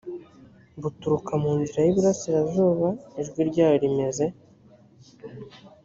buturuka mu nzira y iburasirazuba ijwi ryayo rimeze